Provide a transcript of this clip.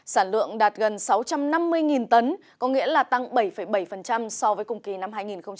sản lượng đạt gần sáu trăm năm mươi tấn có nghĩa là tăng bảy bảy so với cùng kỳ năm hai nghìn một mươi chín